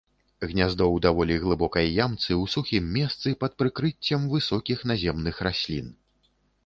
Гняздо ў даволі глыбокай ямцы ў сухім месцы пад прыкрыццем высокіх наземных раслін.